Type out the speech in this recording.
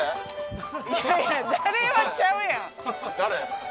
いやいや「誰？」はちゃうやん誰？